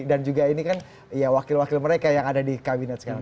dan juga ini kan wakil wakil mereka yang ada di kabinet sekarang